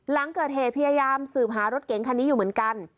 หลังเกิดเหตุพยายามสืบหารถเก๋งคันนี้อยู่เหมือนกัน